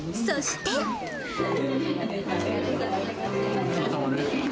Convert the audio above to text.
ごちそうさまです。